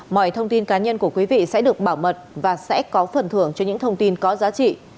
mọi thông tin cá nhân của quý vị sẽ được bảo mật và sẽ có phần thưởng cho những thông tin có giá trị